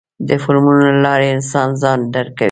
د فلمونو له لارې انسان ځان درکوي.